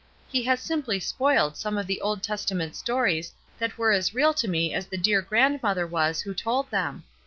He has simply spoiled some of the Old Testament stories that were as real to me as the dear grand mother was, who told them.